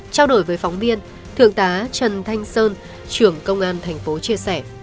trao đổi với phóng viên thượng tá trần thanh sơn trưởng công an thành phố chia sẻ